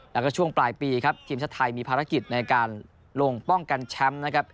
แล้วก็ช่วงปลายปีครับทีมชาติไทยมีภารกิจในการลงป้องกันแชมป์นะครับ